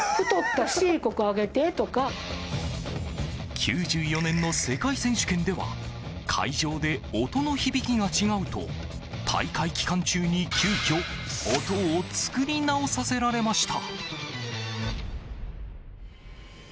９４年の世界選手権では会場で音の響きが違うと大会期間中に急きょ音を作り直させられました。